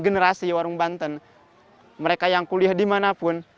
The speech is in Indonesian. generasi warung banten mereka yang kuliah dimanapun